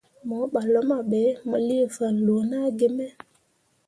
Mo ɓah luma ɓe, mo lii fanloo naa gi me.